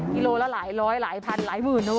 กิโลละหลายร้อยหลายพันหลายหมื่น